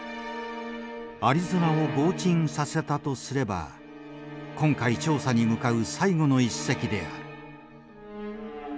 アリゾナを轟沈させたとすれば今回調査に向かう最後の１隻である。